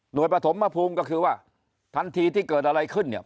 โดยปฐมภูมิก็คือว่าทันทีที่เกิดอะไรขึ้นเนี่ย